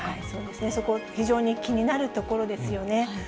そうですね、そこ、非常に気になるところですよね。